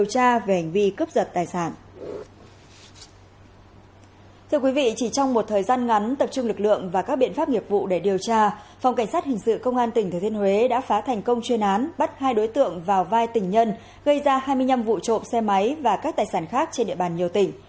thưa quý vị chỉ trong một thời gian ngắn tập trung lực lượng và các biện pháp nghiệp vụ để điều tra phòng cảnh sát hình sự công an tỉnh thừa thiên huế đã phá thành công chuyên án bắt hai đối tượng vào vai tình nhân gây ra hai mươi năm vụ trộm xe máy và các tài sản khác trên địa bàn nhiều tỉnh